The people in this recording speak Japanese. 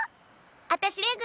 あたしレグ。